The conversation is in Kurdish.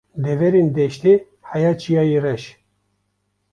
Deverên deştê heya Çiyayê reş